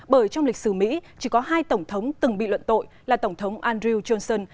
bởi trong lịch sử mỹ chỉ có hai tổng thống từng bị luận tội là tổng thống andrew johnson